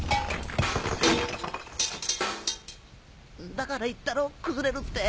だから言ったろ崩れるって。